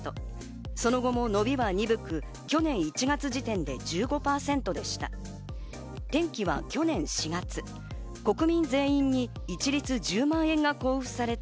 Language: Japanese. その後も伸びは鈍く去年１月時点で１５％でした。